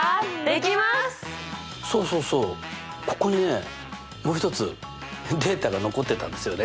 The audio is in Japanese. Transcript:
そうそうそうここにねもう一つデータが残ってたんですよね。